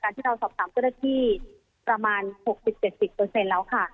ที่เราสอบถามเจ้าหน้าที่ประมาณ๖๐๗๐แล้วค่ะ